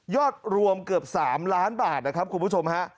รวมเกือบ๓ล้านบาทนะครับคุณผู้ชมฮะ